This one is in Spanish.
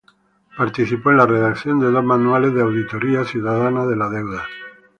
Participó en la redacción de dos manuales de auditoría ciudadana de la deuda.